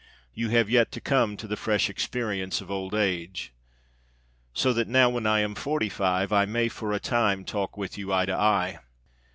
You have yet to come to the fresh experience of old age. So that now, when I am forty five, I may for a time talk with you eye to eye.